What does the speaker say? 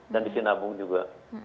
dan di sinabung juga